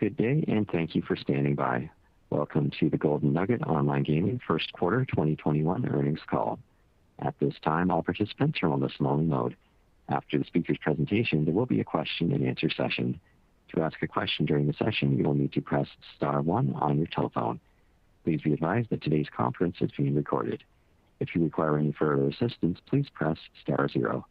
Good day, and thank you for standing by. Welcome to the Golden Nugget Online Gaming First Quarter 2021 Earnings Call. At this time, all participants are on a listen-only mode. After the speaker's presentation, there will be a question-and-answer session. To ask a question during the session, you will need to press star one on your telephone. Please be advised that today's conference is being recorded. If you require any further assistance, please press star zero.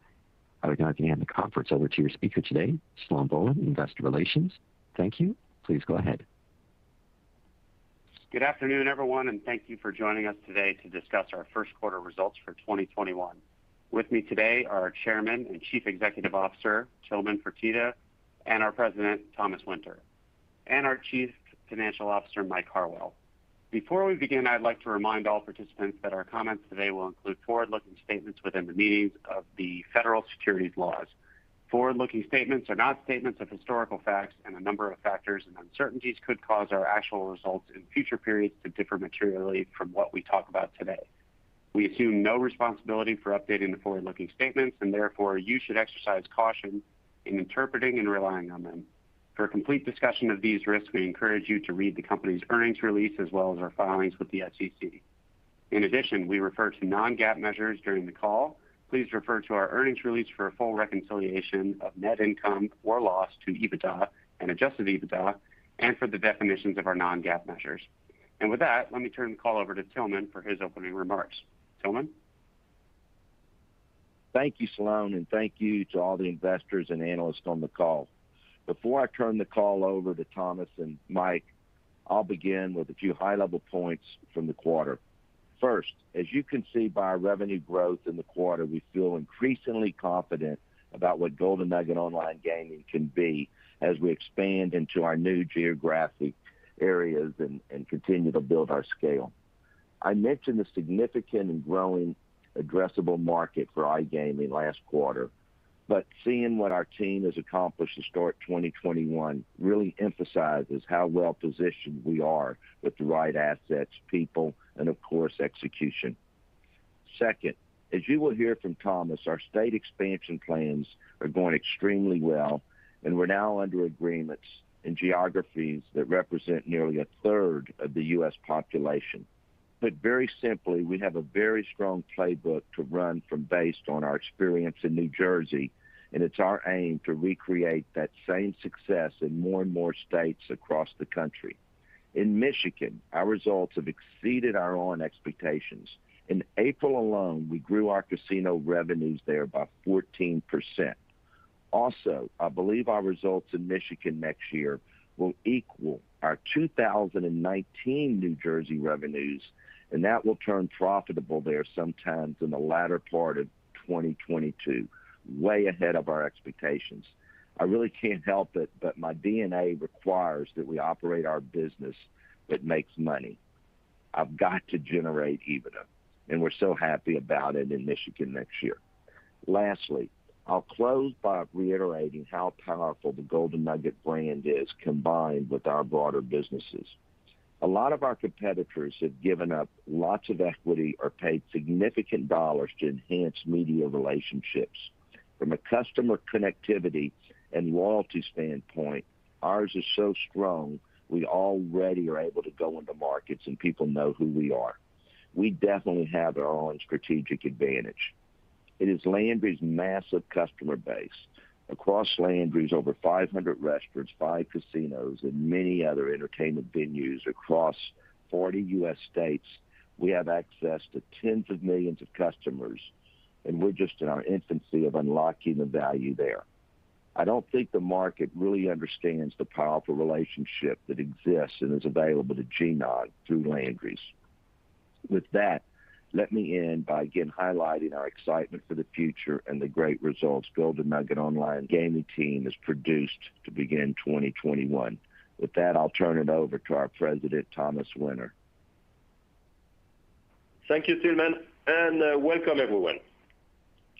I would now like to hand the conference over to your speaker today, Sloan Bohlen, Investor Relations. Thank you, please go ahead. Good afternoon, everyone, and thank you for joining us today to discuss our first quarter results for 2021. With me today are our Chairman and Chief Executive Officer, Tilman Fertitta, and our President, Thomas Winter, and our Chief Financial Officer, Michael Quartieri. Before we begin, I'd like to remind all participants that our comments today will include forward-looking statements within the meanings of the federal securities laws. Forward-looking statements are not statements of historical facts. A number of factors and uncertainties could cause our actual results in future periods to differ materially from what we talk about today. We assume no responsibility for updating the forward-looking statements. Therefore, you should exercise caution in interpreting and relying on them. For a complete discussion of these risks, we encourage you to read the company's earnings release, as well as our filings with the SEC. We refer to non-GAAP measures during the call. Please refer to our earnings release for a full reconciliation of net income or loss to EBITDA and adjusted EBITDA and for the definitions of our non-GAAP measures. With that, let me turn the call over to Tilman for his opening remarks, Tilman? Thank you, Sloan, and thank you to all the investors and analysts on the call. Before I turn the call over to Thomas and Mike, I'll begin with a few high-level points from the quarter. First, as you can see by our revenue growth in the quarter, we feel increasingly confident about what Golden Nugget Online Gaming can be as we expand into our new geographic areas and continue to build our scale. I mentioned the significant and growing addressable market for iGaming last quarter, but seeing what our team has accomplished to start 2021 really emphasizes how well-positioned we are with the right assets, people, and of course, execution. Second, as you will hear from Thomas, our state expansion plans are going extremely well, and we're now under agreements in geographies that represent nearly 1/3 of the U.S. population. Put very simply, we have a very strong playbook to run from based on our experience in New Jersey, and it's our aim to recreate that same success in more and more states across the country. In Michigan, our results have exceeded our own expectations. In April alone, we grew our casino revenues there by 14%. I believe our results in Michigan next year will equal our 2019 New Jersey revenues, and that will turn profitable there some time in the latter part of 2022, way ahead of our expectations. I really can't help it, but my DNA requires that we operate our business that makes money. I've got to generate EBITDA, and we're so happy about it in Michigan next year. Lastly, I'll close by reiterating how powerful the Golden Nugget brand is combined with our broader businesses. A lot of our competitors have given up lots of equity or paid significant dollars to enhance media relationships. From a customer connectivity and loyalty standpoint, ours is so strong, we already are able to go into markets and people know who we are. We definitely have our own strategic advantage. It is Landry's massive customer base. Across Landry's over 500 restaurants, five casinos, and many other entertainment venues across 40 U.S. states, we have access to tens of millions of customers, and we're just in our infancy of unlocking the value there. I don't think the market really understands the powerful relationship that exists and is available to GNOG through Landry's. With that, let me end by again highlighting our excitement for the future and the great results Golden Nugget Online Gaming team has produced to begin 2021. With that, I'll turn it over to our President, Thomas Winter. Thank you, Tilman, and welcome everyone.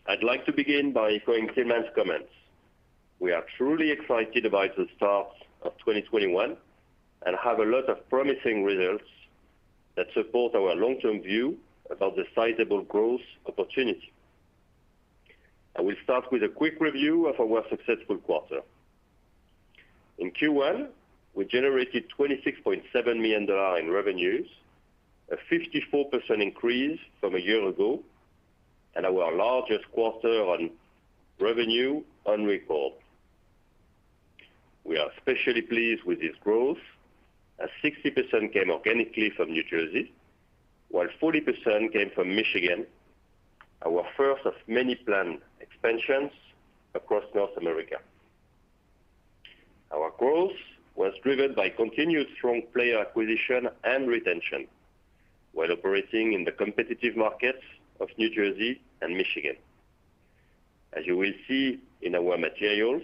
I'd like to begin by echoing Tilman's comments. We are truly excited about the start of 2021 and have a lot of promising results that support our long-term view about the sizable growth opportunity. I will start with a quick review of our successful quarter. In Q1, we generated $26.7 million in revenues, a 54% increase from a year ago, and our largest quarter on revenue on record. We are especially pleased with this growth, as 60% came organically from New Jersey, while 40% came from Michigan, our first of many planned expansions across North America. Our growth was driven by continued strong player acquisition and retention while operating in the competitive markets of New Jersey and Michigan. As you will see in our materials,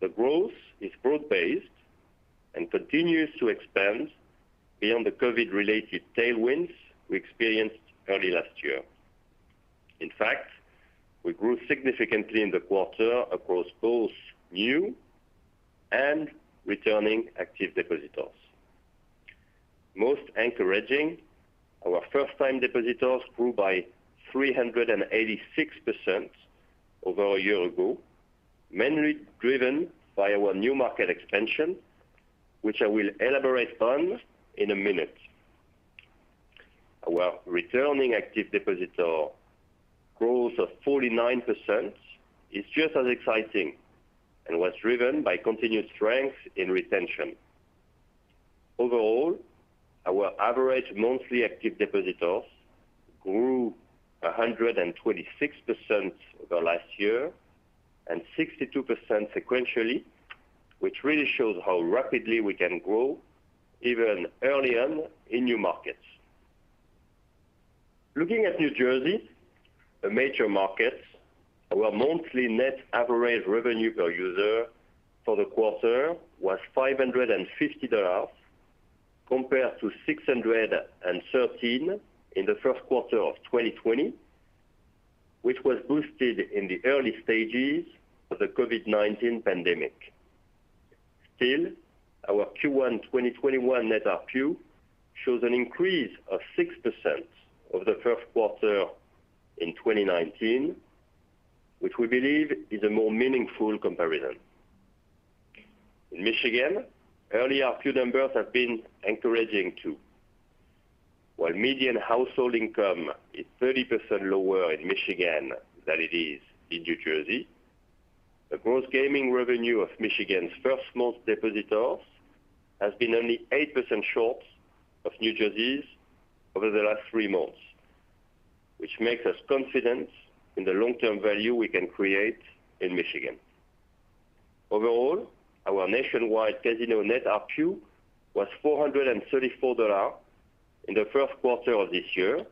the growth is broad-based and continues to expand beyond the COVID-19-related tailwinds we experienced early last year. In fact, we grew significantly in the quarter across both new and returning active depositors. Most encouraging, our first-time depositors grew by 386% over a year ago, mainly driven by our new market expansion, which I will elaborate on in a minute. Our returning active depositor growth of 49% is just as exciting and was driven by continued strength in retention. Overall, our average monthly active depositors grew 126% over last year and 62% sequentially, which really shows how rapidly we can grow even early on in new markets. Looking at New Jersey, a major market, our monthly net average revenue per user for the quarter was $550, compared to $613 in the first quarter of 2020, which was boosted in the early stages of the COVID-19 pandemic. Still, our Q1 2021 net ARPU shows an increase of 6% over the first quarter in 2019, which we believe is a more meaningful comparison. In Michigan, early ARPU numbers have been encouraging, too. While median household income is 30% lower in Michigan than it is in New Jersey, the gross gaming revenue of Michigan's first-month depositors has been only 8% short of New Jersey's over the last three months, which makes us confident in the long-term value we can create in Michigan. Overall, our nationwide casino net ARPU was $434 in the first quarter of this year,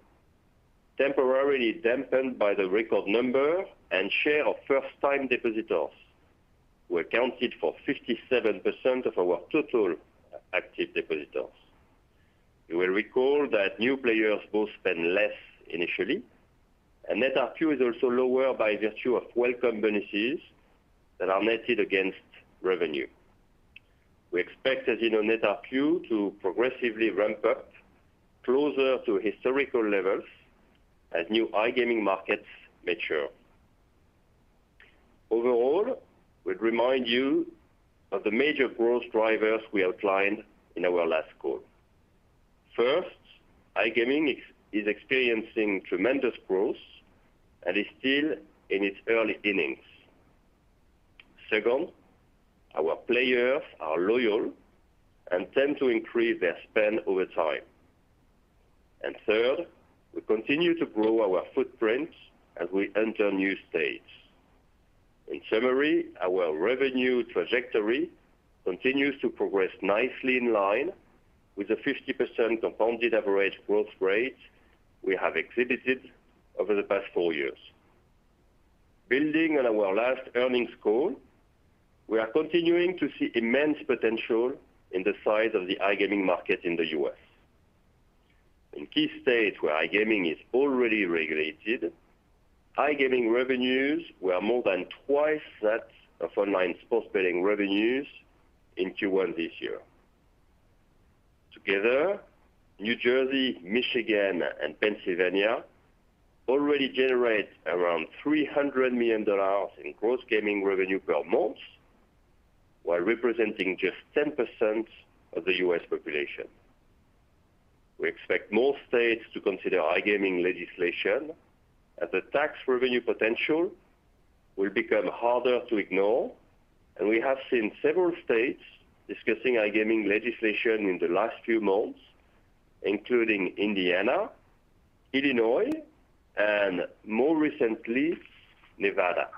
temporarily dampened by the record number and share of first-time depositors who accounted for 57% of our total active depositors. You will recall that new players both spend less initially, and net ARPU is also lower by virtue of welcome bonuses that are netted against revenue. We expect casino net ARPU to progressively ramp up closer to historical levels as new iGaming markets mature. Overall, we'd remind you of the major growth drivers we outlined in our last call. First, iGaming is experiencing tremendous growth and is still in its early innings. Second, our players are loyal and tend to increase their spend over time. Third, we continue to grow our footprint as we enter new states. In summary, our revenue trajectory continues to progress nicely in line with the 50% compounded average growth rate we have exhibited over the past four years. Building on our last earnings call, we are continuing to see immense potential in the size of the iGaming market in the U.S. In key states where iGaming is already regulated, iGaming revenues were more than twice that of online sports betting revenues in Q1 this year. Together, New Jersey, Michigan, and Pennsylvania already generate around $300 million in gross gaming revenue per month while representing just 10% of the U.S. population. We expect more states to consider iGaming legislation as the tax revenue potential will become harder to ignore. We have seen several states discussing iGaming legislation in the last few months, including Indiana, Illinois, and more recently, Nevada.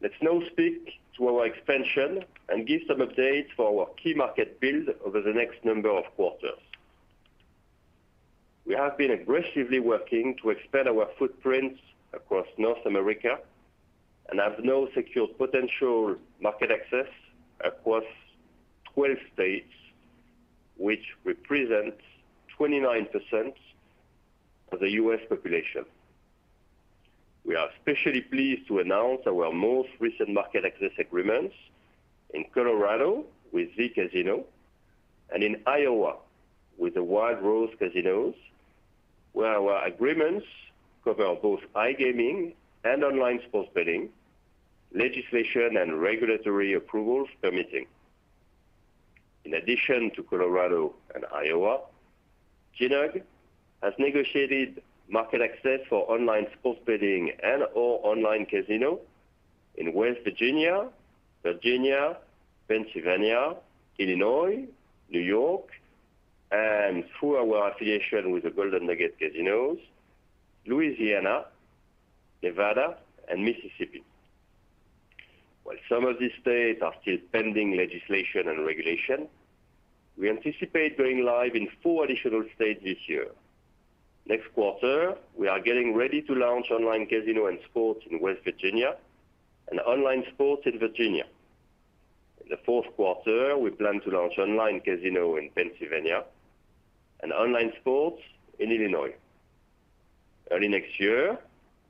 Let's now speak to our expansion and give some updates for our key market build over the next number of quarters. We have been aggressively working to expand our footprint across North America and have now secured potential market access across 12 states, which represents 29% of the U.S. population. We are especially pleased to announce our most recent market access agreements in Colorado with Z Casino and in Iowa with the Wild Rose Casinos, where our agreements cover both iGaming and online sports betting, legislation and regulatory approvals permitting. In addition to Colorado and Iowa, GNOG has negotiated market access for online sports betting and/or online casino in West Virginia, Pennsylvania, Illinois, New York, and through our affiliation with the Golden Nugget casinos, Louisiana, Nevada, and Mississippi. While some of these states are still pending legislation and regulation, we anticipate going live in four additional states this year. Next quarter, we are getting ready to launch online casino and sports in West Virginia and online sports in Virginia. In the fourth quarter, we plan to launch online casino in Pennsylvania and online sports in Illinois. Early next year,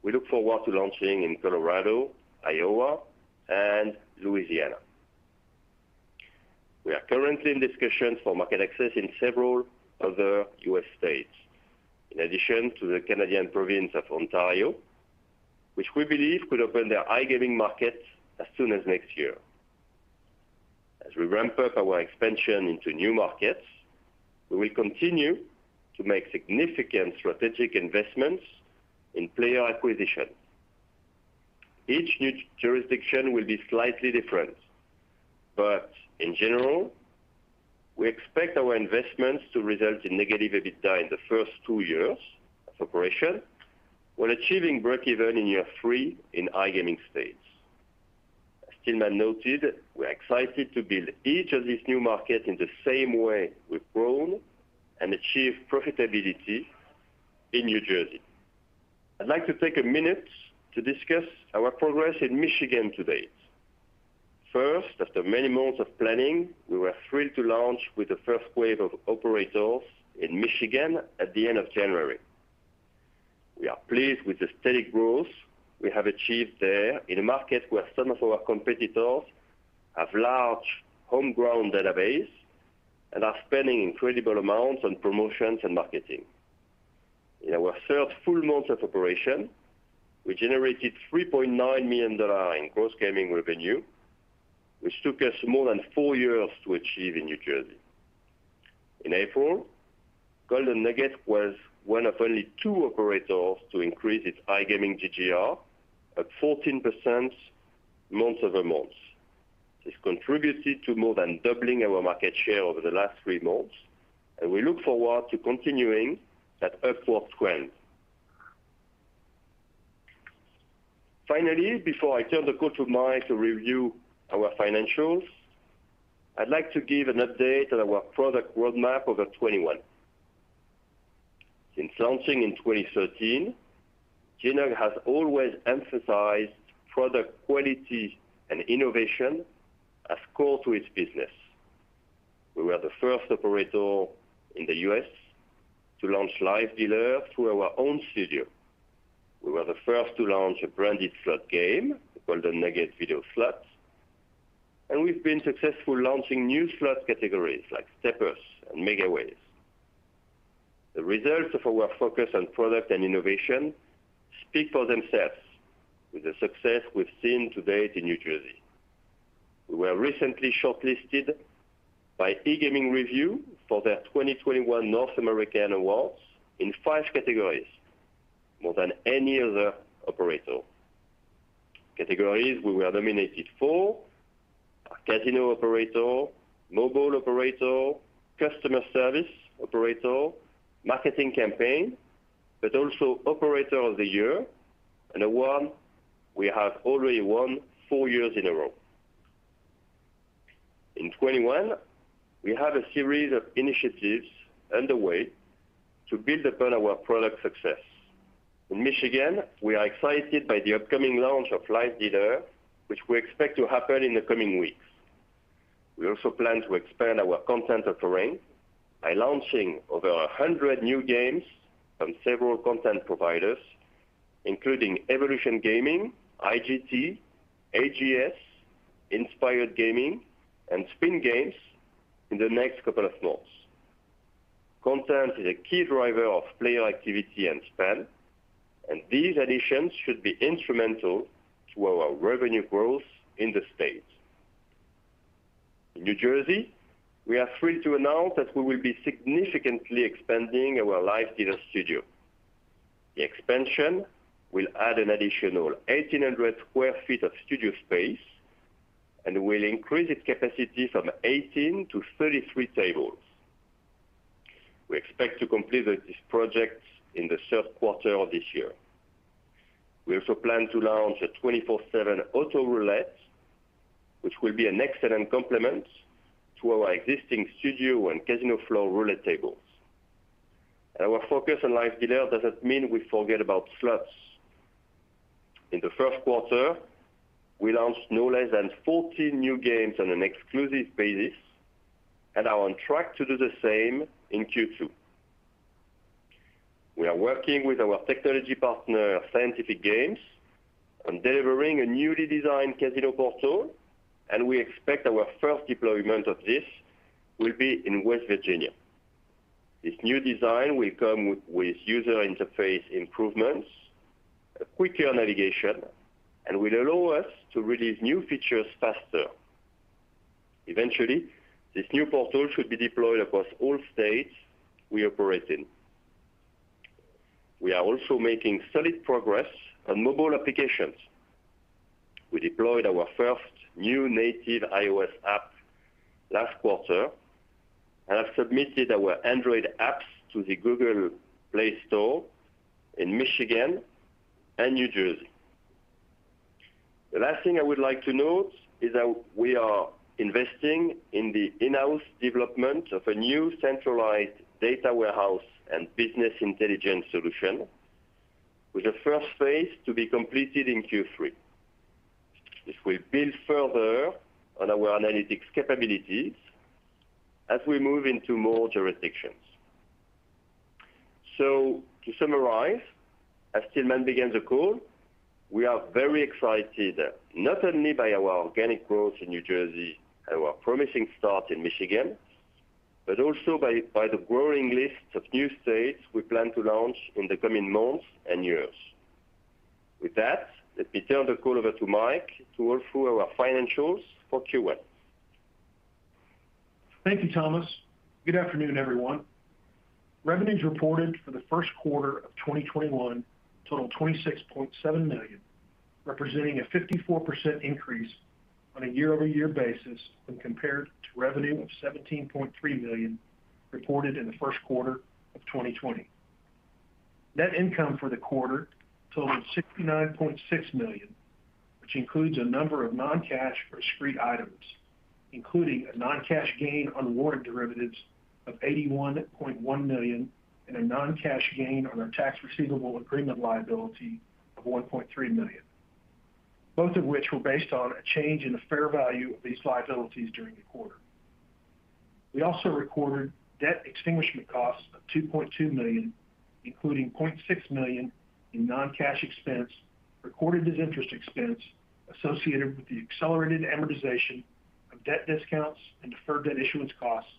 we look forward to launching in Colorado, Iowa, and Louisiana. We are currently in discussions for market access in several other U.S. states, in addition to the Canadian province of Ontario, which we believe could open their iGaming market as soon as next year. As we ramp up our expansion into new markets, we will continue to make significant strategic investments in player acquisition. Each new jurisdiction will be slightly different, but in general, we expect our investments to result in negative EBITDA in the first two years of operation, while achieving breakeven in year three in iGaming states. As Tilman noted, we're excited to build each of these new markets in the same way we've grown and achieved profitability in New Jersey. I'd like to take a minute to discuss our progress in Michigan to date. First, after many months of planning, we were thrilled to launch with the first wave of operators in Michigan at the end of January. We are pleased with the steady growth we have achieved there in a market where some of our competitors have large homegrown database and are spending incredible amounts on promotions and marketing. In our third full month of operation, we generated $3.9 million in gross gaming revenue, which took us more than four years to achieve in New Jersey. In April, Golden Nugget was one of only two operators to increase its iGaming GGR at 14% month-over-month. This contributed to more than doubling our market share over the last three months, and we look forward to continuing that upward trend. Finally, before I turn to Kostas Maragi to review our financials, I'd like to give an update on our product roadmap over 2021. Since launching in 2013, GNOG has always emphasized product quality and innovation as core to its business. We were the first operator in the U.S. to launch live dealer through our own studio. We were the first to launch a branded slot game, Golden Nugget Video Slot, and we've been successful launching new slot categories like stepper and Megaways. The results of our focus on product and innovation speak for themselves with the success we've seen to date in New Jersey. We were recently shortlisted by eGaming Review for their 2021 North American Awards in five categories, more than any other operator. Categories we were nominated for are Casino Operator, Mobile Operator, Customer Service Operator, Marketing Campaign, but also Operator of the Year, an award we have already won four years in a row. In 2021, we have a series of initiatives underway to build upon our product success. In Michigan, we are excited by the upcoming launch of live dealer, which we expect to happen in the coming weeks. We also plan to expand our content offering by launching over 100 new games from several content providers, including Evolution Gaming, IGT, AGS, Inspired Gaming, and Spin Games in the next couple of months. Content is a key driver of player activity and spend, and these additions should be instrumental to our revenue growth in the state. In New Jersey, we are thrilled to announce that we will be significantly expanding our live dealer studio. The expansion will add an additional 1,800 sq ft of studio space and will increase its capacity from 18 to 33 tables. We expect to complete this project in the third quarter of this year. We also plan to launch a 24/7 Auto Roulette, which will be an excellent complement to our existing studio and casino floor roulette tables. Our focus on live dealer doesn't mean we forget about slots. In the first quarter, we launched no less than 14 new games on an exclusive basis and are on track to do the same in Q2. We are working with our technology partner, Scientific Games, on delivering a newly designed casino portal, and we expect our first deployment of this will be in West Virginia. This new design will come with user interface improvements, a quicker navigation, and will allow us to release new features faster. Eventually, this new portal should be deployed across all states we operate in. We are also making solid progress on mobile applications. We deployed our first new native iOS app last quarter and have submitted our Android apps to the Google Play Store in Michigan and New Jersey. The last thing I would like to note is that we are investing in the in-house development of a new centralized data warehouse and business intelligence solution, with the first phase to be completed in Q3, if we build further on our analytics capabilities as we move into more jurisdictions. To summarize, as Tilman mentioned on the call, we are very excited, not only by our organic growth in New Jersey and our promising start in Michigan, but also by the growing list of new states we plan to launch in the coming months and years. With that, let me turn the call over to Mike to walk through our financials for Q1. Thank you, Thomas. Good afternoon, everyone. Revenues reported for the first quarter of 2021 totaled $26.7 million, representing a 54% increase on a year-over-year basis when compared to revenue of $17.3 million reported in the first quarter of 2020. Net income for the quarter totaled $69.6 million, which includes a number of non-cash or discrete items, including a non-cash gain on warrant derivatives of $81.1 million and a non-cash gain on our tax receivable agreement liability of $1.3 million, both of which were based on a change in the fair value of these liabilities during the quarter. We also recorded debt extinguishment costs of $2.2 million, including $0.6 million in non-cash expense recorded as interest expense associated with the accelerated amortization of debt discounts and deferred debt issuance costs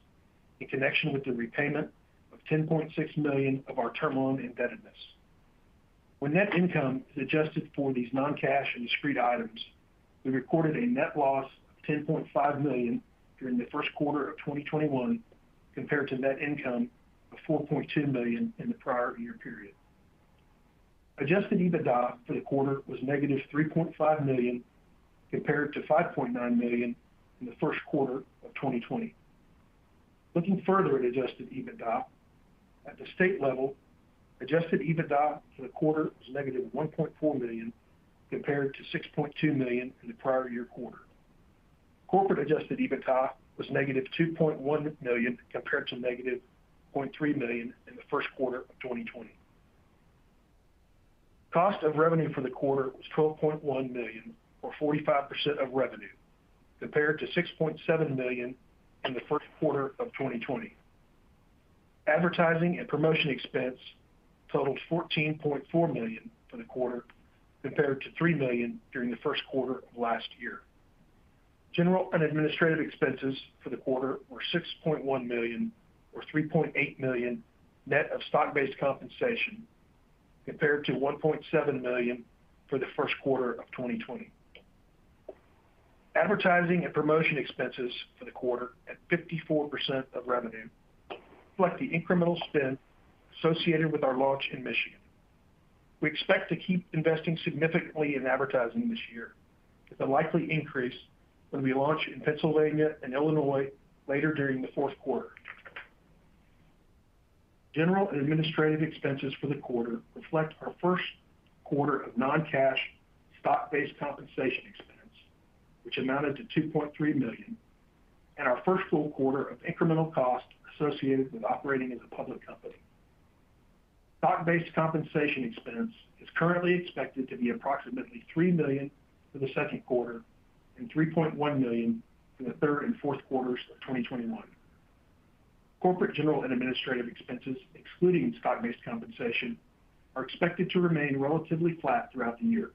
in connection with the repayment of $10.6 million of our term loan indebtedness. When net income is adjusted for these non-cash and discrete items, we recorded a net loss of $10.5 million during the first quarter of 2021 compared to net income of $4.2 million in the prior year period. Adjusted EBITDA for the quarter was negative $3.5 million compared to $5.9 million in the first quarter of 2020. Looking further at adjusted EBITDA, at the state level, adjusted EBITDA for the quarter was negative $1.4 million compared to $6.2 million in the prior year quarter. Corporate adjusted EBITDA was negative $2.1 million compared to negative $0.3 million in the first quarter of 2020. Cost of revenue for the quarter was $12.1 million or 45% of revenue, compared to $6.7 million in the first quarter of 2020. Advertising and promotion expense totaled $14.4 million for the quarter compared to $3 million during the first quarter of last year. General and administrative expenses for the quarter were $6.1 million or $3.8 million net of stock-based compensation, compared to $1.7 million for the first quarter of 2020. Advertising and promotion expenses for the quarter at 54% of revenue reflect the incremental spend associated with our launch in Michigan. We expect to keep investing significantly in advertising this year, with a likely increase when we launch in Pennsylvania and Illinois later during the fourth quarter. General and administrative expenses for the quarter reflect our first quarter of non-cash stock-based compensation expense, which amounted to $2.3 million, and our first full quarter of incremental costs associated with operating as a public company. Stock-based compensation expense is currently expected to be approximately $3 million for the second quarter and $3.1 million in the third and fourth quarters of 2021. Corporate general and administrative expenses, excluding stock-based compensation, are expected to remain relatively flat throughout the year,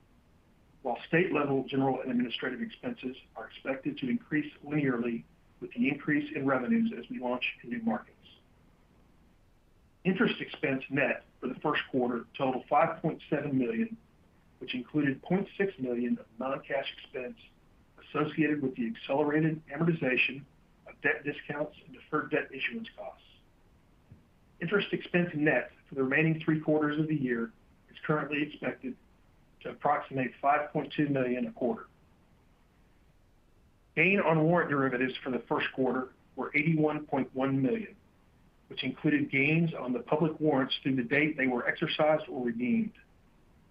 while state-level general and administrative expenses are expected to increase linearly with the increase in revenues as we launch into new markets. Interest expense net for the first quarter totaled $5.7 million, which included $0.6 million of non-cash expense associated with the accelerated amortization of debt discounts and deferred debt issuance costs. Interest expense net for the remaining three quarters of the year is currently expected to approximate $5.2 million a quarter. Gain on warrant derivatives for the first quarter were $81.1 million, which included gains on the public warrants through the date they were exercised or redeemed.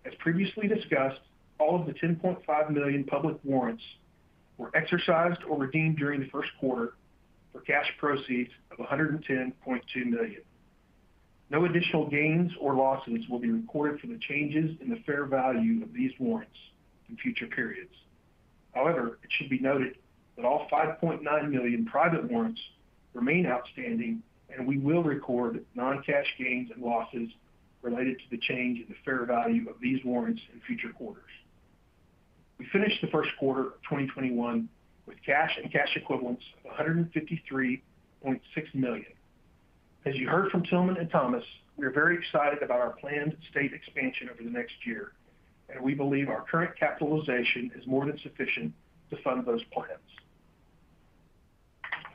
As previously discussed, all of the 10.5 million public warrants were exercised or redeemed during the first quarter for cash proceeds of $110.2 million. No additional gains or losses will be recorded from the changes in the fair value of these warrants in future periods. It should be noted that all 5.9 million private warrants remain outstanding, and we will record non-cash gains and losses related to the change in the fair value of these warrants in future quarters. We finished the first quarter of 2021 with cash and cash equivalents of $153.6 million. As you heard from Tilman and Thomas, we are very excited about our planned state expansion over the next year, and we believe our current capitalization is more than sufficient to fund those plans.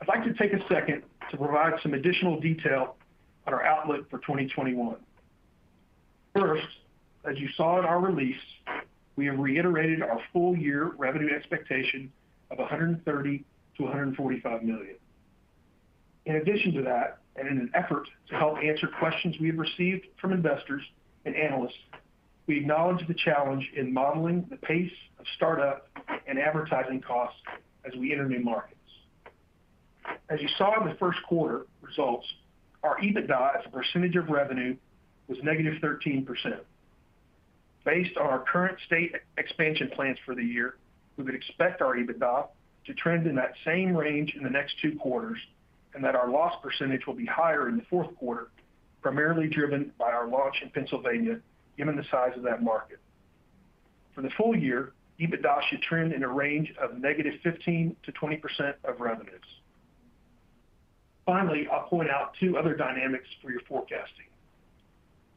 I'd like to take a second to provide some additional detail on our outlook for 2021. As you saw in our release, we have reiterated our full-year revenue expectation of $130 million-$145 million. In addition to that, in an effort to help answer questions we have received from investors and analysts, we acknowledge the challenge in modeling the pace of startup and advertising costs as we enter new markets. As you saw in the first quarter results, our EBITDA as a percentage of revenue was -13%. Based on our current state expansion plans for the year, we would expect our EBITDA to trend in that same range in the next two quarters, and that our loss percentage will be higher in the fourth quarter, primarily driven by our launch in Pennsylvania, given the size of that market. For the full year, EBITDA should trend in a range of -15% to 20% of revenues. I'll point out two other dynamics for your forecasting.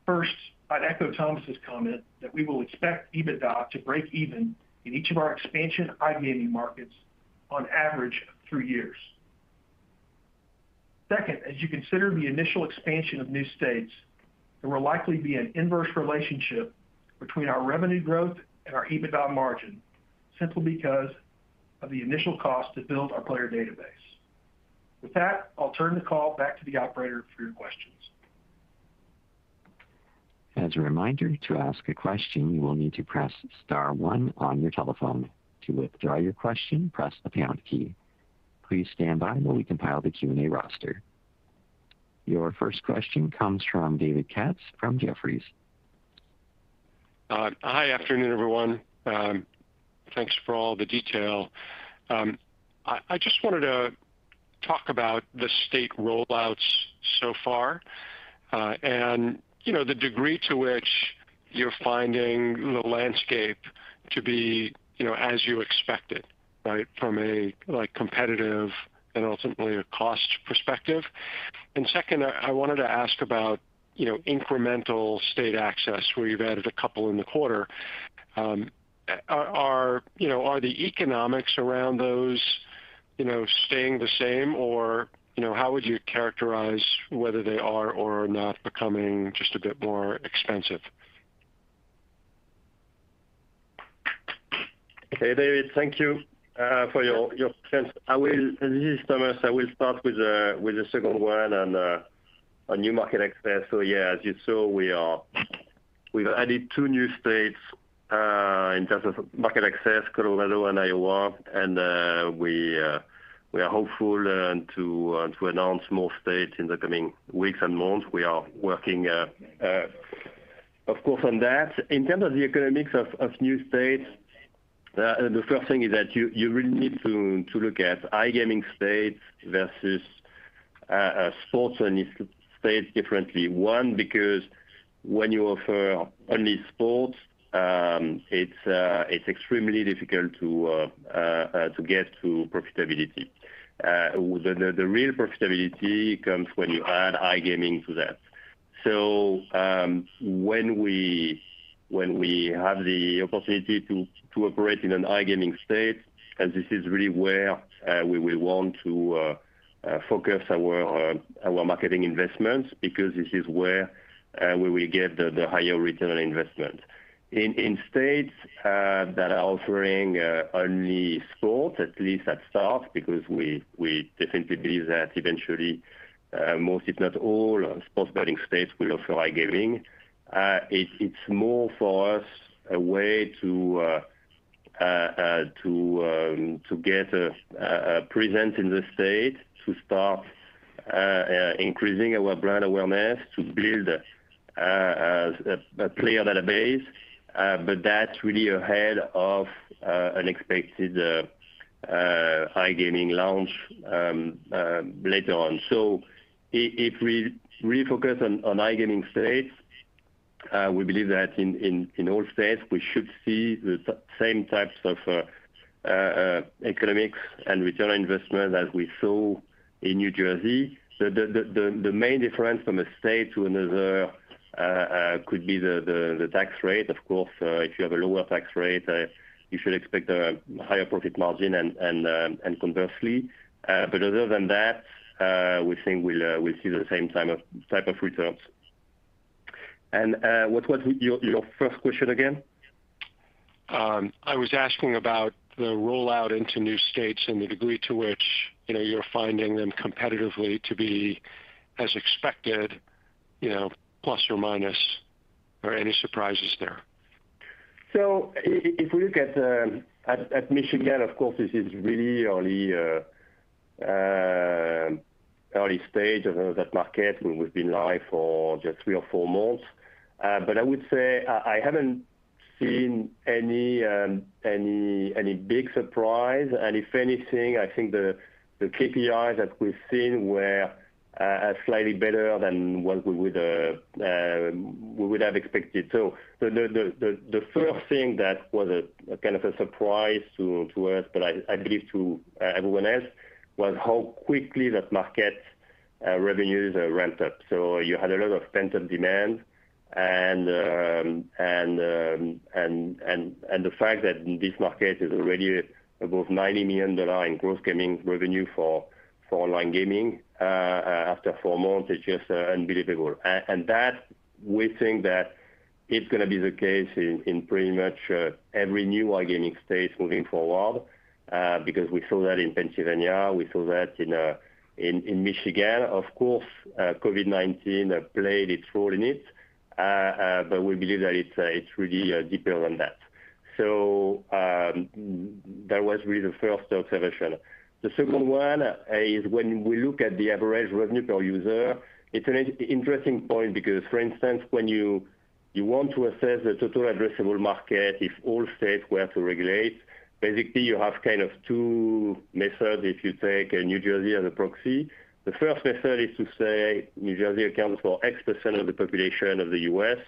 First, I'd echo Thomas comment that we will expect EBITDA to break even in each of our expansion iGaming markets on average of three years. Second, as you consider the initial expansion of new states, there will likely be an inverse relationship between our revenue growth and our EBITDA margin, simply because of the initial cost to build our player database. With that, I'll turn the call back to the operator for your questions. Your first question comes from David Katz from Jefferies. Hi, afternoon, everyone. Thanks for all the detail, I just wanted to talk about the state roll-outs so far, and the degree to which you're finding the landscape to be as you expected from a competitive and ultimately a cost perspective? Second, I wanted to ask about incremental state access where you've added a couple in the quarter. Are the economics around those staying the same, or how would you characterize whether they are or are not becoming just a bit more expensive? Okay, David, thank you for your questions. This is Thomas, I will start with the second one on new market access. Yeah, as you saw, we've added two new states in terms of market access, Colorado and Iowa, and we are hopeful to announce more states in the coming weeks and months. We are working, of course, on that. In terms of the economics of new states, the first thing is that you really need to look at iGaming states versus sports-only states differently. One, because when you offer only sports, it's extremely difficult to get to profitability. The real profitability comes when you add iGaming to that. When we have the opportunity to operate in an iGaming state, as this is really where we will want to focus our marketing investments because this is where we will get the higher return on investment. In states that are offering only sports, at least at start, because we definitely believe that eventually, most, if not all sports betting states will offer iGaming. It's more for us, a way to get a presence in the state to start increasing our brand awareness to build a player database. That's really ahead of an expected iGaming launch later on. If we refocus on iGaming states, we believe that in all states, we should see the same types of economics and return on investment as we saw in New Jersey. The main difference from a state to another could be the tax rate. Of course, if you have a lower tax rate, you should expect a higher profit margin and conversely. Other than that, we think we'll see the same type of returns. What was your first question again? I was asking about the rollout into new states and the degree to which you're finding them competitively to be as expected, plus or minus, are any surprises there? If we look at Michigan, of course, this is really early stage of that market. We've been live for just three or four months. I would say I haven't seen any big surprise. If anything, I think the KPIs that we've seen were slightly better than what we would have expected. The first thing that was a kind of a surprise to us, but I believe to everyone else, was how quickly that market revenues ramped up. You had a lot of pent-up demand and the fact that this market is already above $90 million in gross gaming revenue for online gaming after four months is just unbelievable. That, we think that it's going to be the case in pretty much every new iGaming state moving forward, because we saw that in Pennsylvania, we saw that in Michigan. Of course, COVID-19 played its role in it, but we believe that it's really deeper than that. That was really the first observation. The second one is when we look at the average revenue per user, it's an interesting point because, for instance, when you want to assess the total addressable market if all states were to regulate, basically you have kind of two methods if you take New Jersey as a proxy. The first method is to say New Jersey accounts for X percent of the population of the U.S.,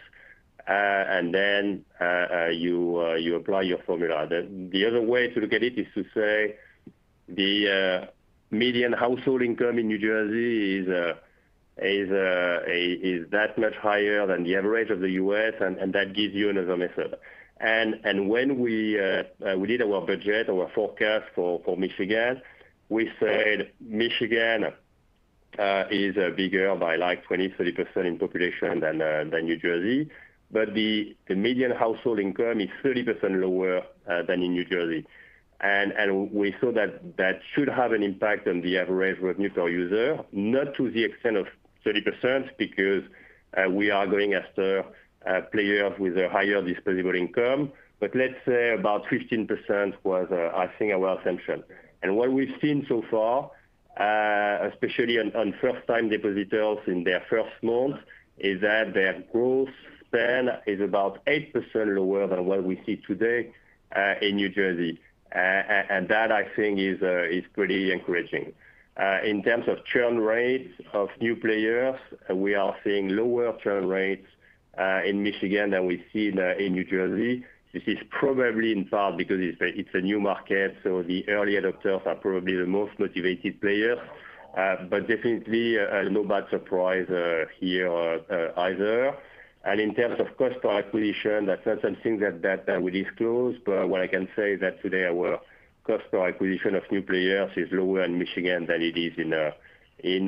and then you apply your formula. The other way to look at it is to say the median household income in New Jersey is that much higher than the average of the U.S., and that gives you another method. When we did our budget, our forecast for Michigan, we said Michigan is bigger by 20%-30% in population than New Jersey, but the median household income is 30% lower than in New Jersey. We saw that should have an impact on the average revenue per user, not to the extent of 30% because we are going after players with a higher disposable income. But let's say about 15% was, I think, a well assumption. What we've seen so far, especially on first-time depositors in their first month, is that their growth spend is about 8% lower than what we see today in New Jersey. That I think is pretty encouraging. In terms of churn rates of new players, we are seeing lower churn rates in Michigan than we see in New Jersey. This is probably in part because it's a new market, so the early adopters are probably the most motivated players. Definitely no bad surprise here either. In terms of cost per acquisition, that's not something that we disclose, but what I can say is that today our cost per acquisition of new players is lower in Michigan than it is in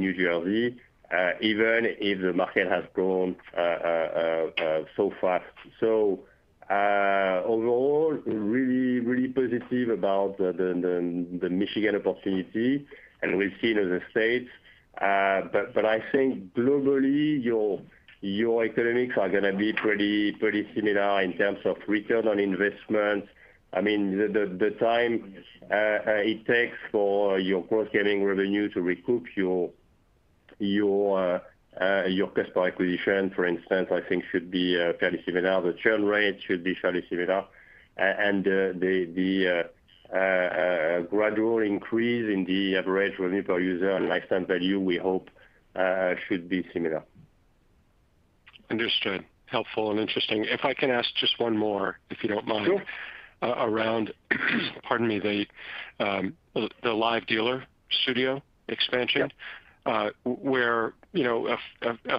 New Jersey, even if the market has grown so fast. Overall, really positive about the Michigan opportunity and we see it as a state. I think globally, your economics are going to be pretty similar in terms of return on investment. The time it takes for your post-gaming revenue to recoup your cost per acquisition, for instance, I think should be fairly similar. The churn rate should be fairly similar. The gradual increase in the average revenue per user and lifetime value, we hope, should be similar. Understood, helpful and interesting. If I can ask just one more, if you don't mind. Sure. Around pardon me, the live dealer studio expansion. A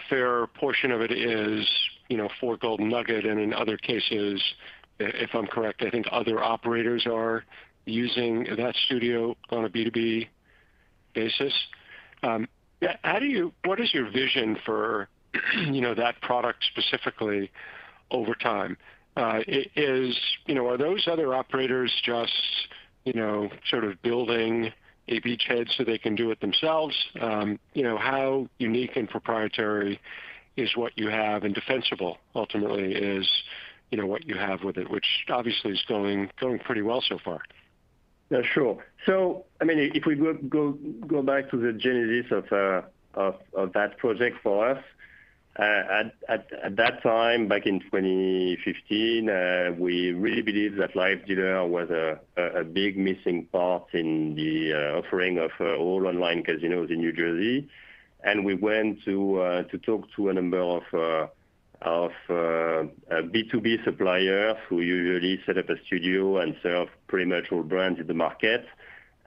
fair portion of it is for Golden Nugget and in other cases, if I'm correct, I think other operators are using that studio on a B2B basis. What is your vision for that product specifically over time? Are those other operators just sort of building a beachhead so they can do it themselves? How unique and proprietary is what you have, and defensible ultimately is what you have with it, which obviously is going pretty well so far. Sure, if we go back to the genesis of that project for us, at that time back in 2015, we really believed that live dealer was a big missing part in the offering of all online casinos in New Jersey. We went to talk to a number of B2B suppliers who usually set up a studio and serve pretty much all brands in the market.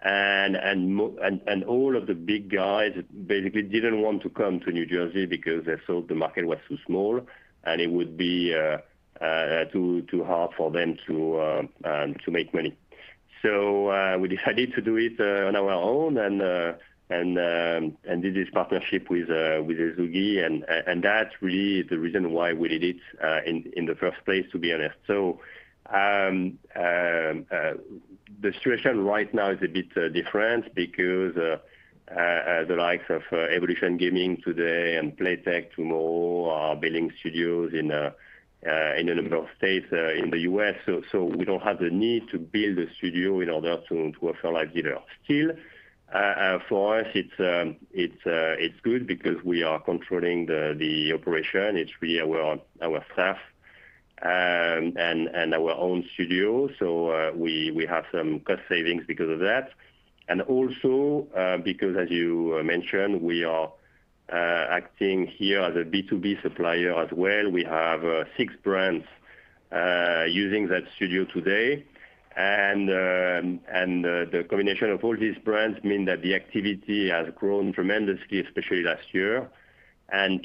All of the big guys basically didn't want to come to New Jersey because they thought the market was too small, and it would be too hard for them to make money. We decided to do it on our own and did this partnership with Ezugi. That really is the reason why we did it in the first place, to be honest. The situation right now is a bit different because the likes of Evolution Gaming today and Playtech tomorrow are building studios in a number of states in the U.S. We don't have the need to build a studio in order to offer live dealer. Still for us, it's good because we are controlling the operation. It's really our staff and our own studio. We have some cost savings because of that. Also because as you mentioned, we are acting here as a B2B supplier as well. We have six brands using that studio today. The combination of all these brands means that the activity has grown tremendously, especially last year.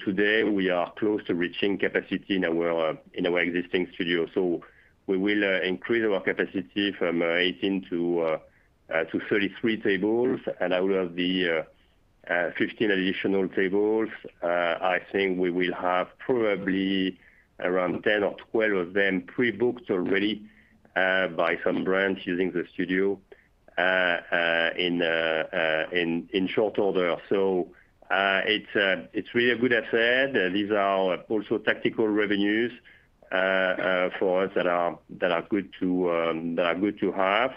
Today we are close to reaching capacity in our existing studio. We will increase our capacity from 18-33 tables, and out of the 15 additional tables I think we will have probably around 10 or 12 of them pre-booked already by some brands using the studio in short order. It's really a good asset. These are also tactical revenues for us that are good to have.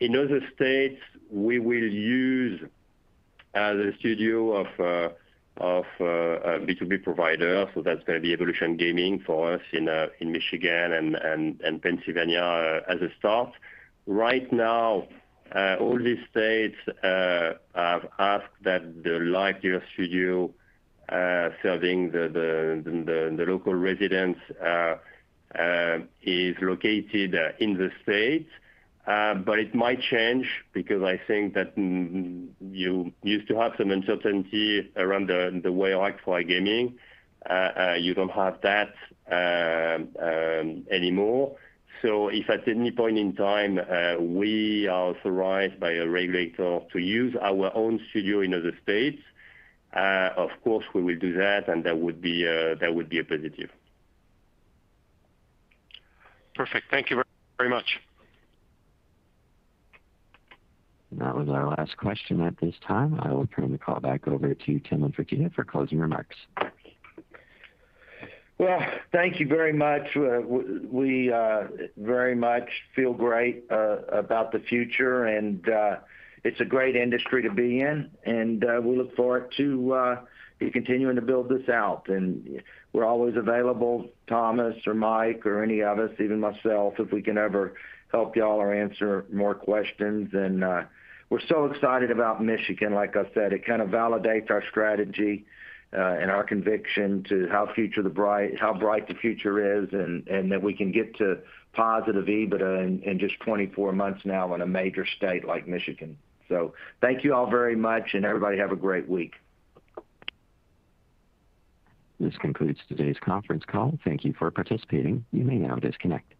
In other states, we will use the studio of a B2B provider, so that's going to be Evolution Gaming for us in Michigan and Pennsylvania as a start. Right now, all these states have asked that the live dealer studio serving the local residents is located in the States. It might change because I think that you used to have some uncertainty around the way like for iGaming. You don't have that anymore. If at any point in time we are authorized by a regulator to use our own studio in other states, of course we will do that, and that would be a positive. Perfect, thank you very much. That was our last question at this time. I will turn the call back over to Tilman Fertitta for closing remarks. Well, thank you very much. We very much feel great about the future, and it's a great industry to be in. We look forward to continuing to build this out. We're always available, Thomas or Mike or any of us, even myself, if we can ever help you all or answer more questions. We're so excited about Michigan. Like I said, it kind of validates our strategy and our conviction to how bright the future is, and that we can get to positive EBITDA in just 24 months now in a major state like Michigan. Thank you all very much, and everybody have a great week. This concludes today's conference call. Thank you for participating, you may now disconnect.